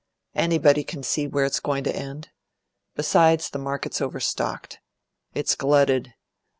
Anybody can see where it's going to end. Besides, the market's over stocked. It's glutted.